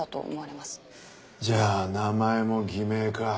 じゃあ名前も偽名か。